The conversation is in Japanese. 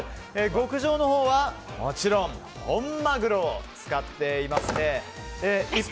極上のほうはもちろん本マグロを使っています。